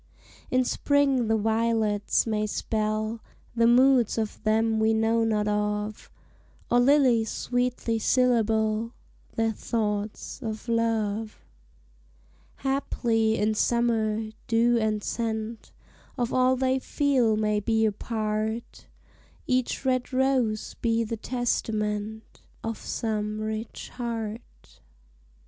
In spring the violets may spell The moods of them we know not of; Or lilies sweetly syllable Their thoughts of love Haply, in summer, dew and scent Of all they feel may be a part; Each red rose be the testament Of some rich heart.